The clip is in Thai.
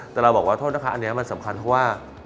แต่เราบอกว่าโทษนะคะอันนี้มันสำคัญเพราะว่า